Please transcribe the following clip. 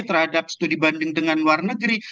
terhadap studi banding dengan luar negeri